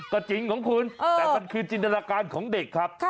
ก็จริงของคุณแต่มันคือจินตนาการของเด็กครับ